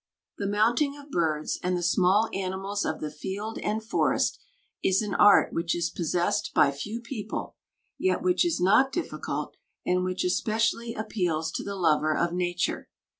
The mounting of birds and the small animals of the field and forest is an art which is possessed by few people, yet which is not difficult and which especially appeals to the lover of nature.